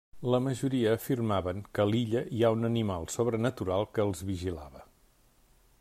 La majoria afirmaven que a l'illa hi ha un animal sobrenatural, que els vigilava.